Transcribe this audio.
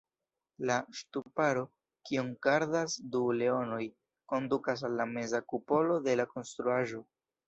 La ŝtuparo, kiun gardas du leonoj, kondukas al la meza kupolo de la konstruaĵo.